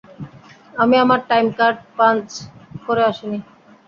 আমি আমার time card punch করে আসিনি।